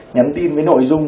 nhắn tin với nội dung